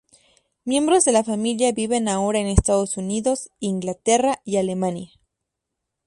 Miembros de la familia viven ahora en Estados Unidos, Inglaterra y Alemania.